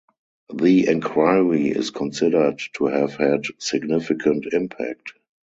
The enquiry is considered to have had significant impact.